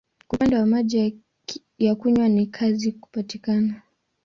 Kwa upande wa maji ya kunywa ni kazi kupatikana.